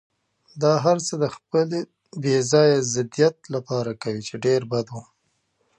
دا هرڅه د خپل بې ځایه ضدیت لپاره کوي، چې ډېر بد و.